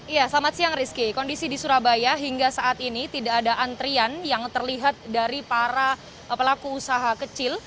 ya selamat siang rizky kondisi di surabaya hingga saat ini tidak ada antrian yang terlihat dari para pelaku usaha kecil